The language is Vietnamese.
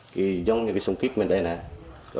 thì giống như cái súng kíp mình đây nè